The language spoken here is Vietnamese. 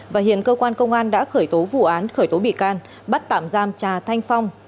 và hiện cơ quan công an đã khởi tố vụ án khởi tố bị can bắt tạm giam trà thanh phong